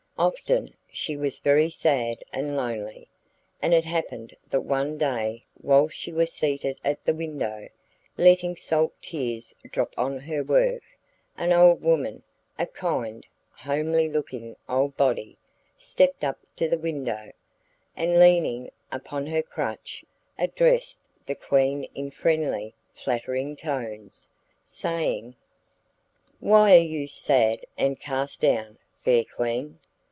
Often she was very sad and lonely, and it happened that one day while she was seated at the window, letting salt tears drop on her work, an old woman, a kind, homely looking old body, stepped up to the window, and, leaning upon her crutch, addressed the Queen in friendly, flattering tones, saying: 'Why are you sad and cast down, fair Queen?